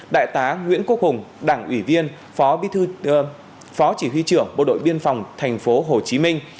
đại tá nguyễn quốc hùng đảng ủy viên phó chỉ huy trưởng bộ đội biên phòng thành phố hồ chí minh